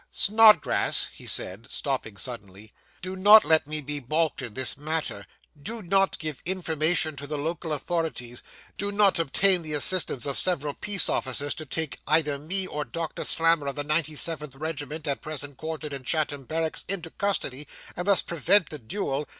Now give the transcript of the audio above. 'Snodgrass,' he said, stopping suddenly, 'do not let me be balked in this matter do not give information to the local authorities do not obtain the assistance of several peace officers, to take either me or Doctor Slammer, of the 97th Regiment, at present quartered in Chatham Barracks, into custody, and thus prevent this duel!